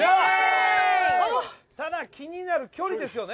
ただ気になる距離ですよね。